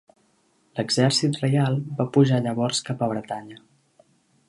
L'exèrcit reial va pujar llavors cap a Bretanya.